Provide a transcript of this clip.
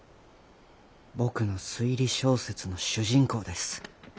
僕の推理小説の主人公です。